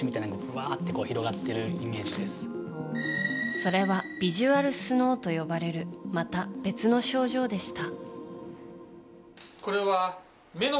それはビジュアルスノウと呼ばれるまた別の症状でした。